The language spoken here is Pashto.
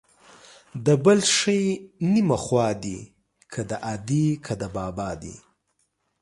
د بل ښې نيمه خوا دي ، که د ادې که د بابا دي.